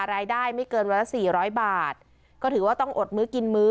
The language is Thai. รายได้ไม่เกินเวลา๔๐๐บาทก็ถือว่าต้องอดมื้อกินมื้อ